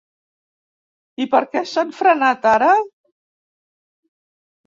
I per què s’han frenat ara?